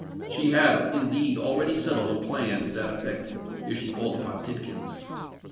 She had, indeed, already settled a plan to that effect, ere she called upon Tidkins.